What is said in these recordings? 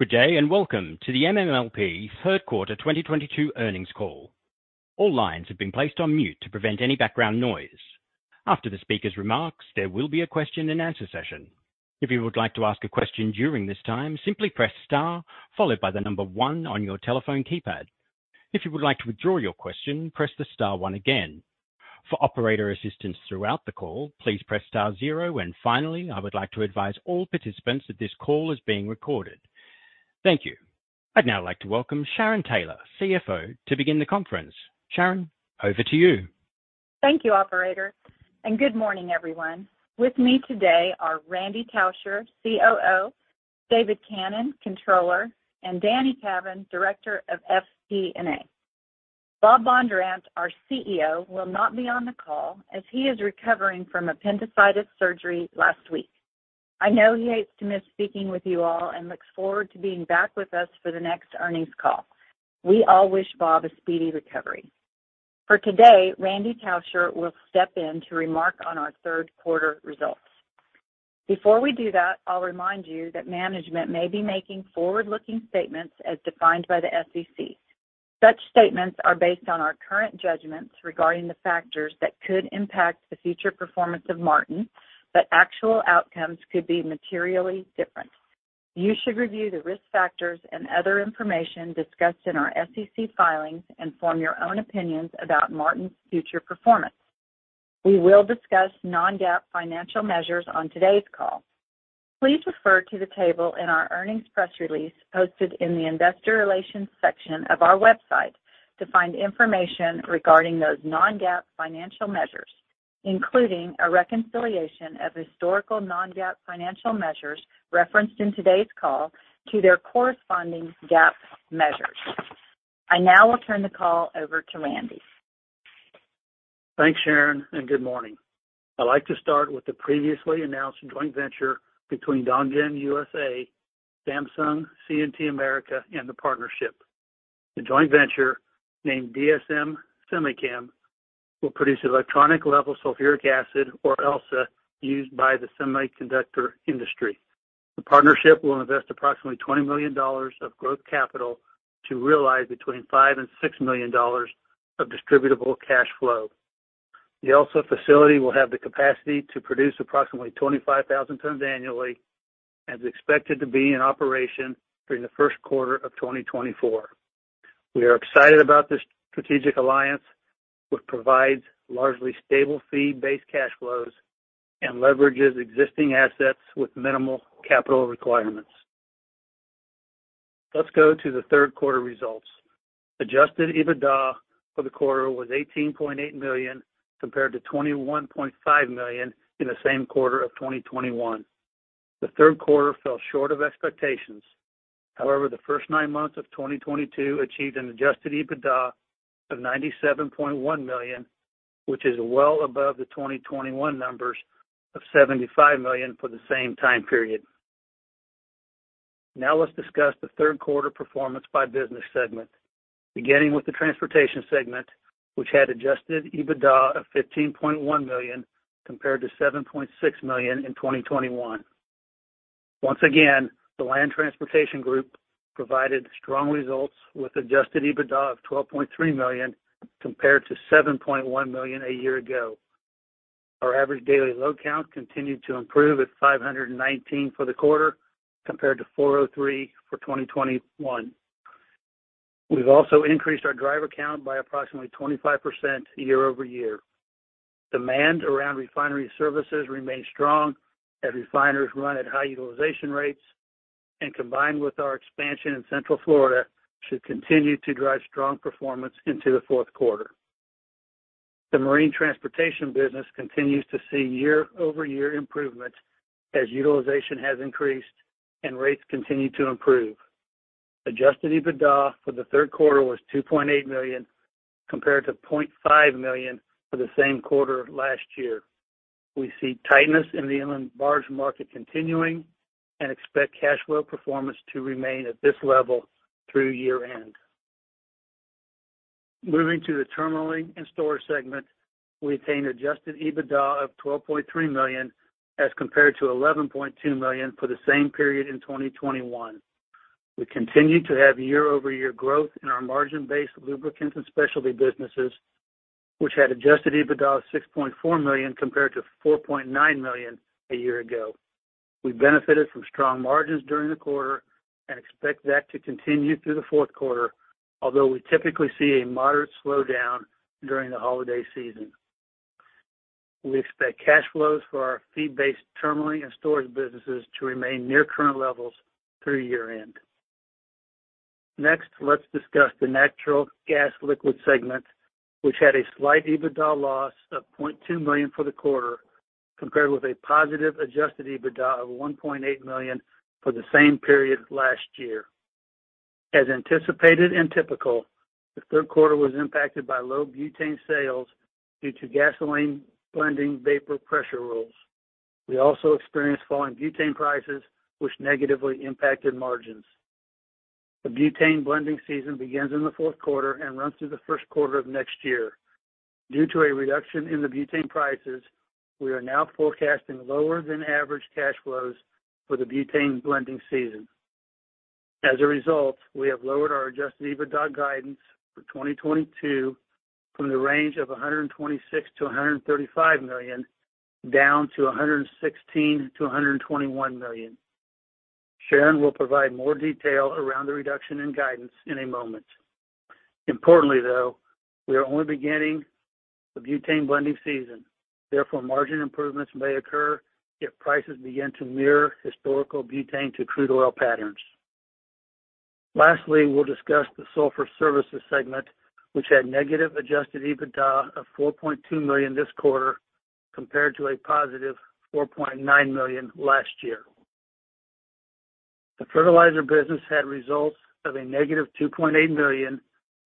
Good day, and welcome to the MMLP third quarter 2022 earnings call. All lines have been placed on mute to prevent any background noise. After the speaker's remarks, there will be a question and answer session. If you would like to ask a question during this time, simply press star followed by the number 1 on your telephone keypad. If you would like to withdraw your question, press the star 1 again. For operator assistance throughout the call, please press star 0 and finally, I would like to advise all participants that this call is being recorded. Thank you. I'd now like to welcome Sharon Taylor, CFO, to begin the conference. Sharon, over to you. Thank you, operator, and good morning, everyone. With me today are Randy Tauscher, COO, David Cannon, Controller, and Danny Cavin, Director of FP&A. Bob Bondurant, our CEO, will not be on the call as he is recovering from appendicitis surgery last week. I know he hates to miss speaking with you all and looks forward to being back with us for the next earnings call. We all wish Bob a speedy recovery. For today, Randy Tauscher will step in to remark on our third quarter results. Before we do that, I'll remind you that management may be making forward-looking statements as defined by the SEC. Such statements are based on our current judgments regarding the factors that could impact the future performance of Martin, but actual outcomes could be materially different. You should review the risk factors and other information discussed in our SEC filings and form your own opinions about Martin's future performance. We will discuss non-GAAP financial measures on today's call. Please refer to the table in our earnings press release posted in the investor relations section of our website to find information regarding those non-GAAP financial measures, including a reconciliation of historical non-GAAP financial measures referenced in today's call to their corresponding GAAP measures. I now will turn the call over to Randy. Thanks, Sharon, and good morning. I'd like to start with the previously announced joint venture between Dongjin USA, Samsung C&T America, and the partnership. The joint venture, named DSM Semichem, will produce electronic-grade sulfuric acid, or ELSA, used by the semiconductor industry. The partnership will invest approximately $20 million of growth capital to realize between $5 million-$6 million of distributable cash flow. The ELSA facility will have the capacity to produce approximately 25,000 tons annually and is expected to be in operation during the first quarter of 2024. We are excited about this strategic alliance, which provides largely stable fee-based cash flows and leverages existing assets with minimal capital requirements. Let's go to the third quarter results. Adjusted EBITDA for the quarter was $18.8 million compared to $21.5 million in the same quarter of 2021. The third quarter fell short of expectations. However, the first nine months of 2022 achieved an Adjusted EBITDA of $97.1 million, which is well above the 2021 numbers of $75 million for the same time period. Now let's discuss the third quarter performance by business segment. Beginning with the transportation segment, which had Adjusted EBITDA of $15.1 million compared to $7.6 million in 2021. Once again, the land transportation group provided strong results with Adjusted EBITDA of $12.3 million compared to $7.1 million a year ago. Our average daily load count continued to improve at 519 for the quarter compared to 403 for 2021. We've also increased our driver count by approximately 25% year-over-year. Demand around refinery services remains strong as refiners run at high utilization rates and combined with our expansion in central Florida, should continue to drive strong performance into the fourth quarter. The marine transportation business continues to see year-over-year improvements as utilization has increased and rates continue to improve. Adjusted EBITDA for the third quarter was $2.8 million compared to $0.5 million for the same quarter last year. We see tightness in the inland barge market continuing and expect cash flow performance to remain at this level through year-end. Moving to the terminalling and storage segment, we attained adjusted EBITDA of $12.3 million as compared to $11.2 million for the same period in 2021. We continue to have year-over-year growth in our margin-based lubricants and specialty businesses, which had Adjusted EBITDA of $6.4 million compared to $4.9 million a year ago. We benefited from strong margins during the quarter and expect that to continue through the fourth quarter, although we typically see a moderate slowdown during the holiday season. We expect cash flows for our fee-based terminalling and storage businesses to remain near current levels through year-end. Next, let's discuss the natural gas liquids segment, which had a slight Adjusted EBITDA loss of $0.2 million for the quarter compared with a positive Adjusted EBITDA of $1.8 million for the same period last year. As anticipated and typical, the third quarter was impacted by low butane sales due to gasoline blending vapor pressure rules. We also experienced falling butane prices, which negatively impacted margins. The butane blending season begins in the fourth quarter and runs through the first quarter of next year. Due to a reduction in the butane prices, we are now forecasting lower than average cash flows for the butane blending season. As a result, we have lowered our adjusted EBITDA guidance for 2022 from the range of $126-$135 million, down to $116-$121 million. Sharon will provide more detail around the reduction in guidance in a moment. Importantly, though, we are only beginning the butane blending season, therefore, margin improvements may occur if prices begin to mirror historical butane to crude oil patterns. Lastly, we'll discuss the sulfur services segment, which had negative Adjusted EBITDA of $4.2 million this quarter compared to a positive $4.9 million last year. The fertilizer business had results of a negative $2.8 million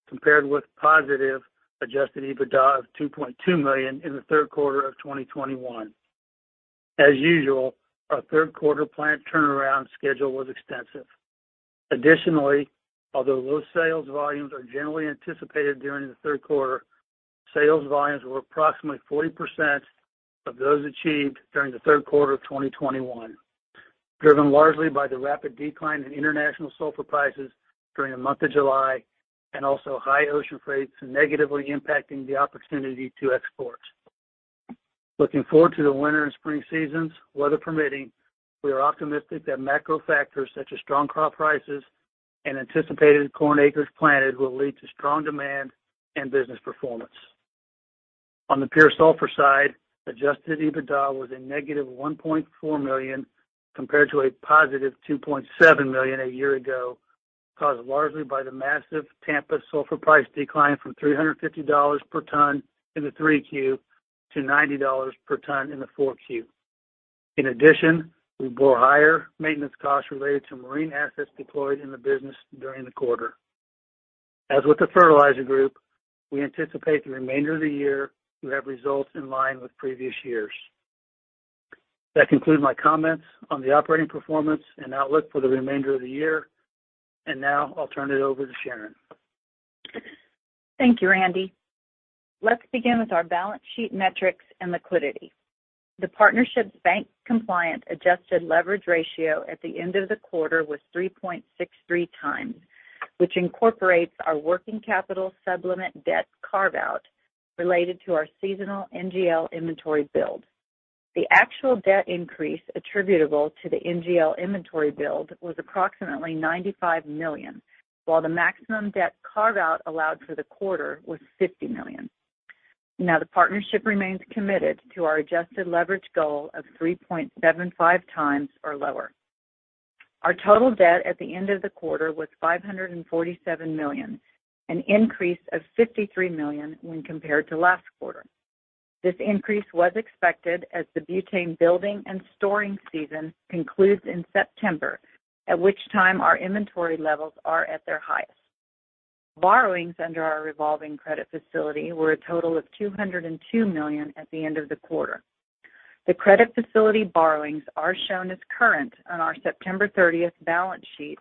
compared with positive Adjusted EBITDA of $2.2 million in the third quarter of 2021. As usual, our third quarter plant turnaround schedule was extensive. Additionally, although low sales volumes are generally anticipated during the third quarter, sales volumes were approximately 40% of those achieved during the third quarter of 2021, driven largely by the rapid decline in international sulfur prices during the month of July and also high ocean rates negatively impacting the opportunity to export. Looking forward to the winter and spring seasons, weather permitting, we are optimistic that macro factors such as strong crop prices and anticipated corn acres planted will lead to strong demand and business performance. On the pure sulfur side, Adjusted EBITDA was a negative $1.4 million compared to a positive $2.7 million a year ago, caused largely by the massive Tampa sulfur price decline from $350 per ton in the 3Q to $90 per ton in the 4Q. In addition, we bore higher maintenance costs related to marine assets deployed in the business during the quarter. As with the fertilizer group, we anticipate the remainder of the year to have results in line with previous years. That concludes my comments on the operating performance and outlook for the remainder of the year. Now I'll turn it over to Sharon. Thank you, Randy. Let's begin with our balance sheet metrics and liquidity. The partnership's bank compliant adjusted leverage ratio at the end of the quarter was 3.63 times, which incorporates our working capital supplemental debt carve-out related to our seasonal NGL inventory build. The actual debt increase attributable to the NGL inventory build was approximately $95 million, while the maximum debt carve-out allowed for the quarter was $50 million. Now, the partnership remains committed to our adjusted leverage goal of 3.75 times or lower. Our total debt at the end of the quarter was $547 million, an increase of $53 million when compared to last quarter. This increase was expected as the butane building and storing season concludes in September, at which time our inventory levels are at their highest. Borrowings under our revolving credit facility were a total of $202 million at the end of the quarter. The credit facility borrowings are shown as current on our September 30 balance sheet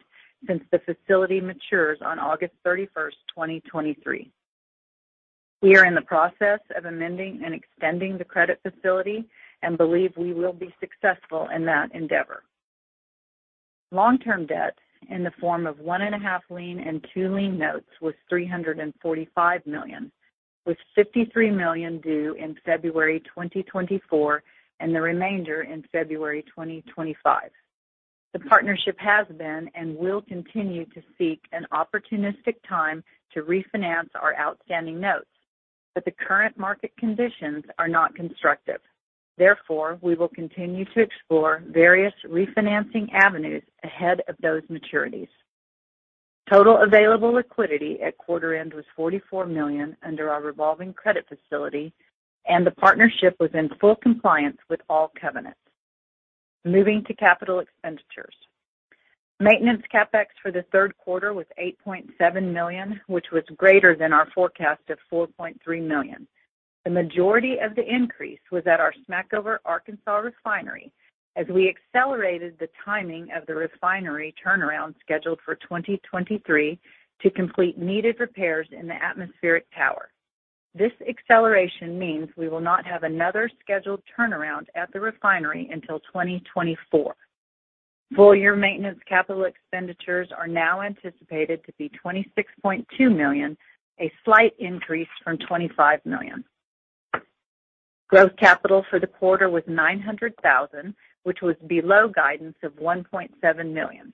since the facility matures on August 31, 2023. We are in the process of amending and extending the credit facility and believe we will be successful in that endeavor. Long-term debt in the form of 1.5 lien and second lien notes was $345 million, with $53 million due in February 2024 and the remainder in February 2025. The partnership has been and will continue to seek an opportunistic time to refinance our outstanding notes, but the current market conditions are not constructive. Therefore, we will continue to explore various refinancing avenues ahead of those maturities. Total available liquidity at quarter end was $44 million under our revolving credit facility, and the partnership was in full compliance with all covenants. Moving to capital expenditures. Maintenance CapEx for the third quarter was $8.7 million, which was greater than our forecast of $4.3 million. The majority of the increase was at our Smackover, Arkansas refinery as we accelerated the timing of the refinery turnaround scheduled for 2023 to complete needed repairs in the atmospheric tower. This acceleration means we will not have another scheduled turnaround at the refinery until 2024. Full year maintenance capital expenditures are now anticipated to be $26.2 million, a slight increase from $25 million. Growth capital for the quarter was $900,000, which was below guidance of $1.7 million.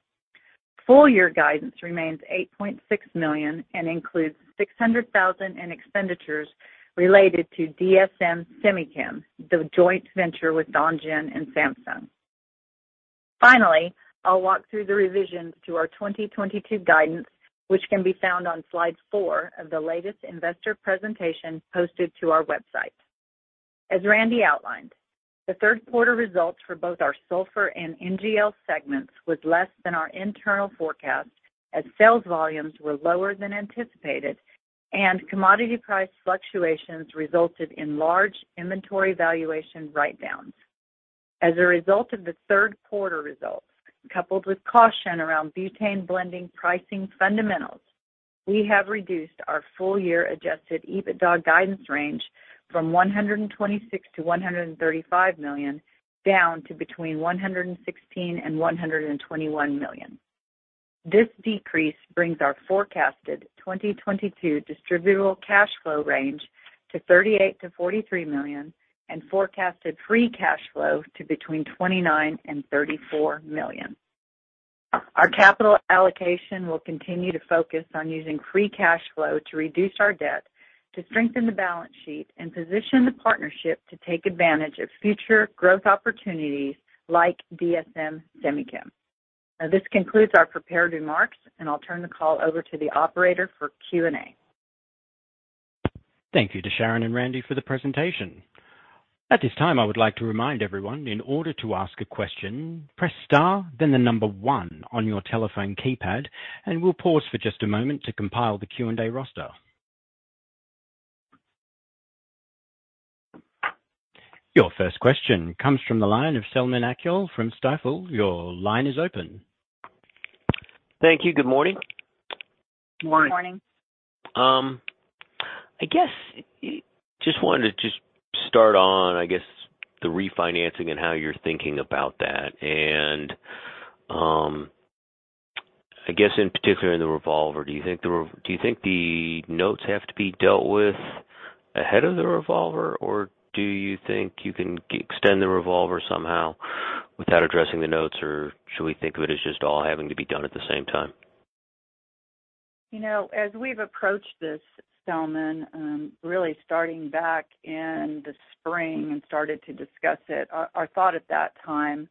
Full year guidance remains $8.6 million and includes $600,000 in expenditures related to DSM Semichem, the joint venture with Dongjin and Samsung C&T America. Finally, I'll walk through the revisions to our 2022 guidance, which can be found on slide four of the latest investor presentation posted to our website. As Randy outlined, the third quarter results for both our sulfur and NGL segments was less than our internal forecast as sales volumes were lower than anticipated and commodity price fluctuations resulted in large inventory valuation write-downs. As a result of the third quarter results, coupled with caution around butane blending pricing fundamentals, we have reduced our full-year Adjusted EBITDA guidance range from $126 million-$135 million, down to between $116 million and $121 million. This decrease brings our forecasted 2022 distributable cash flow range to $38 million-$43 million and forecasted free cash flow to between $29 million and $34 million. Our capital allocation will continue to focus on using free cash flow to reduce our debt, to strengthen the balance sheet and position the partnership to take advantage of future growth opportunities like DSM Semichem. Now, this concludes our prepared remarks, and I'll turn the call over to the operator for Q&A. Thank you to Sharon and Randy for the presentation. At this time, I would like to remind everyone, in order to ask a question, press star, then the number one on your telephone keypad, and we'll pause for just a moment to compile the Q&A roster. Your first question comes from the line of Selman Akyol from Stifel. Your line is open. Thank you. Good morning. Good morning. I guess just wanted to just start on, I guess, the refinancing and how you're thinking about that. I guess in particular in the revolver, do you think the notes have to be dealt with ahead of the revolver, or do you think you can extend the revolver somehow without addressing the notes? Or should we think of it as just all having to be done at the same time? You know, as we've approached this, Selman, really starting back in the spring and started to discuss it, our thought at that time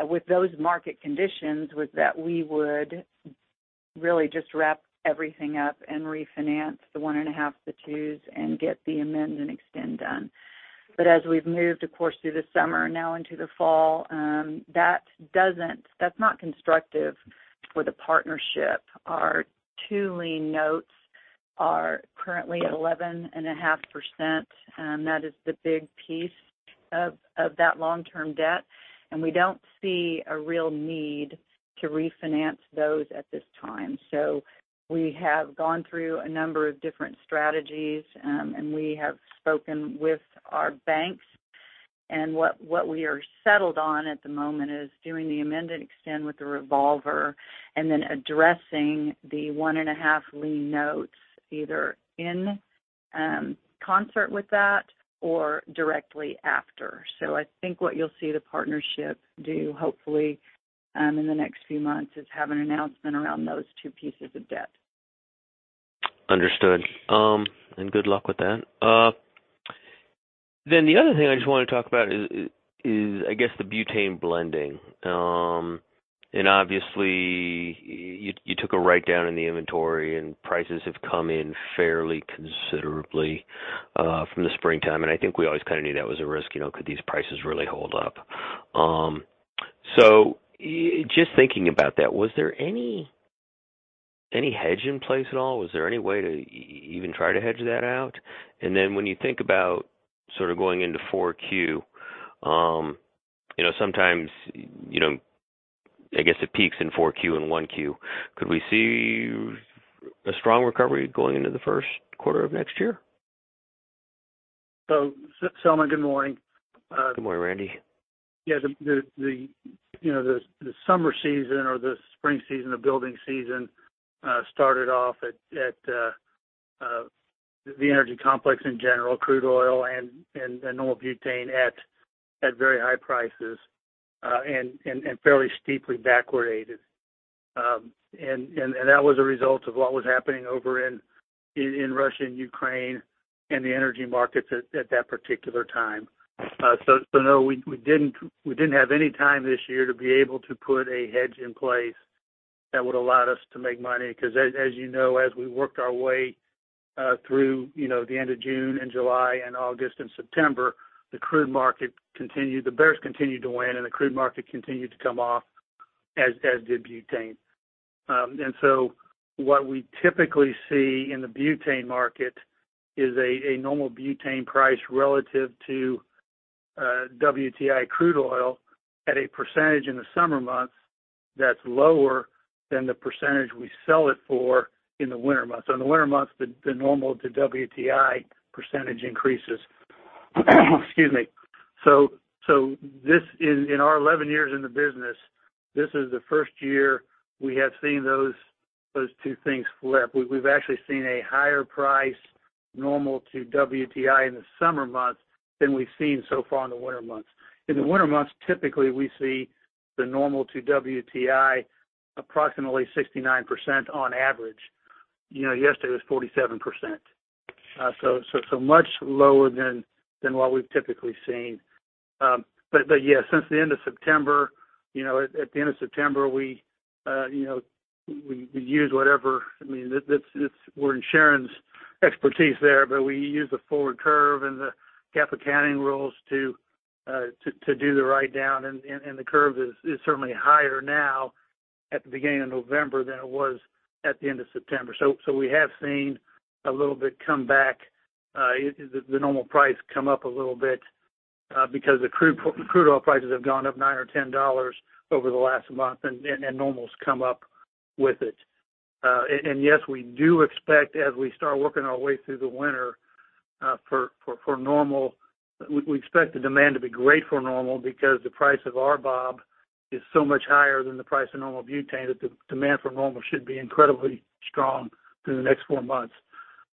with those market conditions was that we would really just wrap everything up and refinance the 1.5, the 2s, and get the amend and extend done. As we've moved, of course, through the summer and now into the fall, that's not constructive for the partnership. Our second lien notes are currently 11.5%, and that is the big piece of that long-term debt, and we don't see a real need to refinance those at this time. We have gone through a number of different strategies, and we have spoken with our banks. What we are settled on at the moment is doing the amend and extend with the revolver and then addressing the 1.5 lien notes either in concert with that or directly after. I think what you'll see the partnership do, hopefully, in the next few months is have an announcement around those two pieces of debt. Understood. Good luck with that. The other thing I just wanna talk about is the butane blending. Obviously you took a write down in the inventory and prices have come in fairly considerably from the springtime. I think we always kind of knew that was a risk, you know, could these prices really hold up? Just thinking about that, was there any hedge in place at all? Was there any way to even try to hedge that out? When you think about sort of going into 4Q, you know, sometimes, you know, I guess it peaks in 4Q and 1Q. Could we see a strong recovery going into the first quarter of next year? Selman, good morning. Good morning, Randy. Yeah, the you know, the summer season or the spring season, the building season, started off at the energy complex in general, crude oil and normal butane at very high prices, and fairly steeply backwardated. That was a result of what was happening over in Russia and Ukraine and the energy markets at that particular time. No, we didn't have any time this year to be able to put a hedge in place that would allow us to make money. 'Cause as you know, as we worked our way through you know, the end of June and July and August and September, the crude market continued, the bears continued to win, and the crude market continued to come off, as did butane. What we typically see in the butane market is a normal butane price relative to WTI crude oil at a percentage in the summer months that's lower than the percentage we sell it for in the winter months. In the winter months, the normal to WTI percentage increases. Excuse me. This is in our 11 years in the business, this is the first year we have seen those two things flip. We've actually seen a higher price normal to WTI in the summer months than we've seen so far in the winter months. In the winter months, typically, we see the normal to WTI approximately 69% on average. You know, yesterday was 47%. So much lower than what we've typically seen. Yeah, since the end of September, you know, at the end of September, we use whatever. I mean, that's in Sharon's expertise there, but we use the forward curve and the GAAP accounting rules to do the write down. The curve is certainly higher now at the beginning of November than it was at the end of September. We have seen a little bit come back, the normal price come up a little bit, because the crude oil prices have gone up $9 or $10 over the last month, and normal's come up with it. Yes, we do expect as we start working our way through the winter. We expect the demand to be great for normal because the price of RBOB is so much higher than the price of normal butane that the demand for normal should be incredibly strong through the next four months.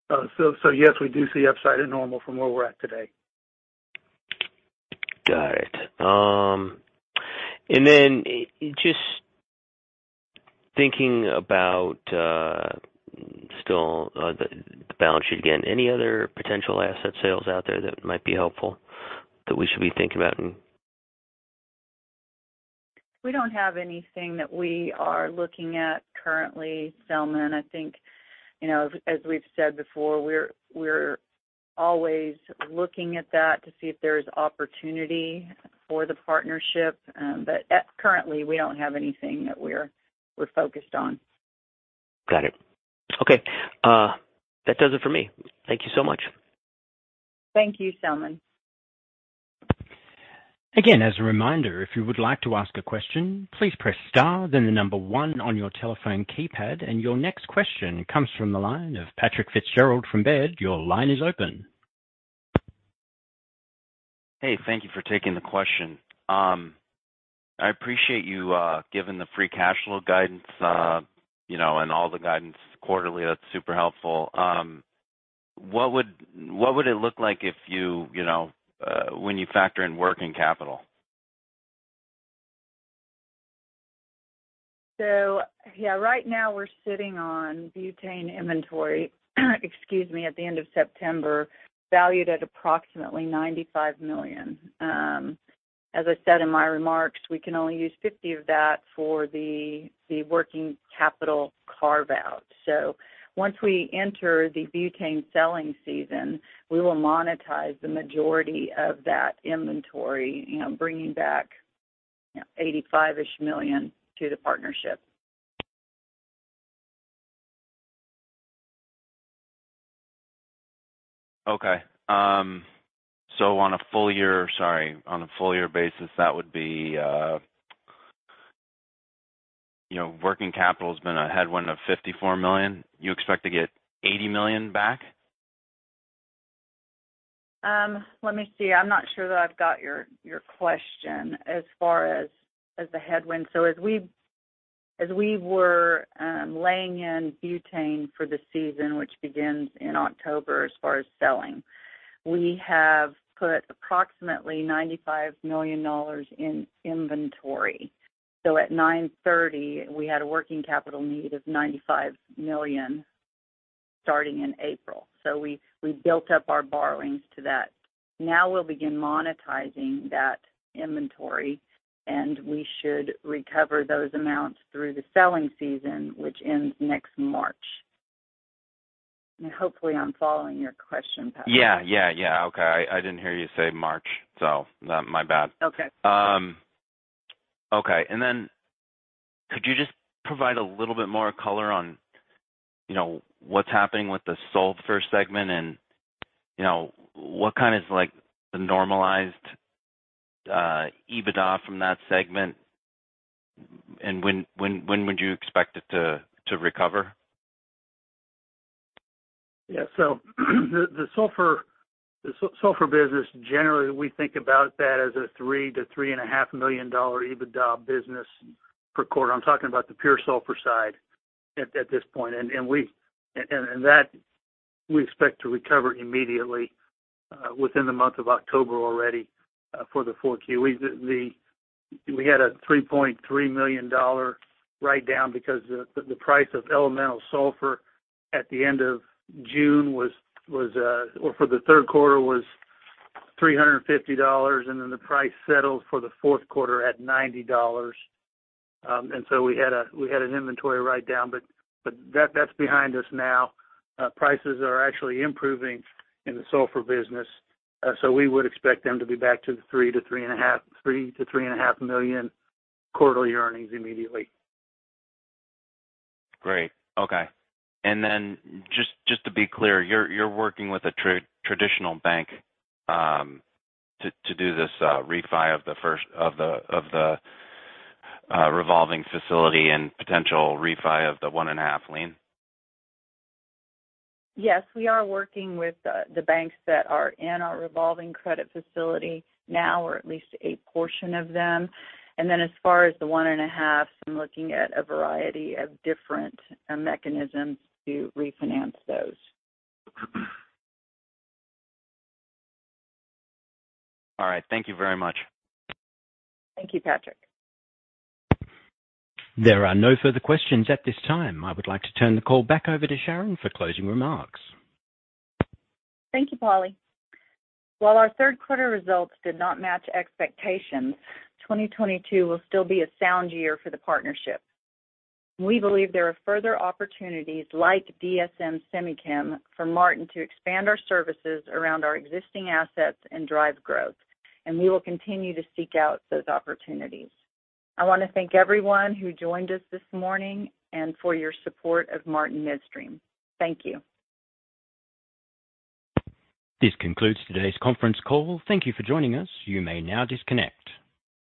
Yes, we do see upside in normal from where we're at today. Got it. Just thinking about the balance sheet again, any other potential asset sales out there that might be helpful, that we should be thinking about? We don't have anything that we are looking at currently, Selman. I think, you know, as we've said before, we're always looking at that to see if there's opportunity for the partnership. Currently we don't have anything that we're focused on. Got it. Okay. That does it for me. Thank you so much. Thank you, Selman. Again, as a reminder, if you would like to ask a question, please press star then the number one on your telephone keypad. Your next question comes from the line of Patrick Fitzgerald from Baird. Your line is open. Hey, thank you for taking the question. I appreciate you giving the free cash flow guidance, you know, and all the guidance quarterly. That's super helpful. What would it look like if you know, when you factor in working capital? Right now we're sitting on butane inventory, excuse me, at the end of September, valued at approximately $95 million. As I said in my remarks, we can only use 50 of that for the working capital carve-out. Once we enter the butane selling season, we will monetize the majority of that inventory, you know, bringing back $85-ish million to the partnership. On a full year basis, that would be, you know, working capital's been a headwind of $54 million. You expect to get $80 million back? Let me see. I'm not sure that I've got your question as far as the headwind. As we were laying in butane for the season, which begins in October as far as selling, we have put approximately $95 million in inventory. At 9/30, we had a working capital need of $95 million starting in April. We built up our borrowings to that. Now we'll begin monetizing that inventory, and we should recover those amounts through the selling season, which ends next March. Hopefully I'm following your question, Patrick. Yeah. Yeah. Yeah. Okay. I didn't hear you say March, so my bad. Okay. Okay. Could you just provide a little bit more color on, you know, what's happening with the sulfur segment and, you know, what kind is like the normalized EBITDA from that segment and when would you expect it to recover? The sulfur business, generally, we think about that as a $3-$3.5 million EBITDA business per quarter. I'm talking about the pure sulfur side at this point. We expect to recover immediately within the month of October already for the 4Q. We had a $3.3 million write-down because the price of elemental sulfur for the third quarter was $350, and then the price settled for the fourth quarter at $90. We had an inventory write-down, but that's behind us now. Prices are actually improving in the sulfur business. We would expect them to be back to the $3-3.5 million quarterly earnings immediately. Great. Okay. Just to be clear, you're working with a traditional bank to do this refi of the revolving facility and potential refi of the 1.5 lien? Yes, we are working with the banks that are in our revolving credit facility now or at least a portion of them. Then as far as the 1.5 Lien, I'm looking at a variety of different mechanisms to refinance those. All right. Thank you very much. Thank you, Patrick. There are no further questions at this time. I would like to turn the call back over to Sharon for closing remarks. Thank you, Paulie. While our third quarter results did not match expectations, 2022 will still be a sound year for the partnership. We believe there are further opportunities like DSM Semichem for Martin to expand our services around our existing assets and drive growth, and we will continue to seek out those opportunities. I wanna thank everyone who joined us this morning and for your support of Martin Midstream. Thank you. This concludes today's conference call. Thank you for joining us. You may now disconnect.